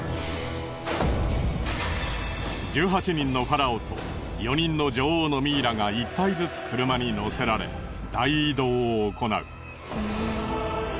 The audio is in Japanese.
１８人のファラオと４人の女王のミイラが１体ずつ車に乗せられ大移動を行う。